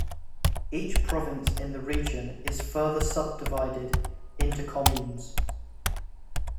Each province in the region is further subdivided into communes.